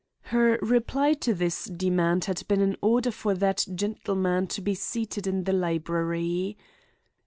Her reply to this demand had been an order for that gentleman to be seated in the library.